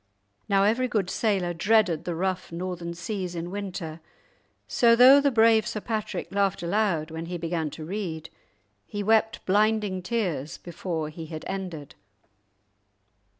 Now every good sailor dreaded the rough Northern seas in winter, so though the brave Sir Patrick laughed aloud when he began to read, he wept blinding tears before he had ended.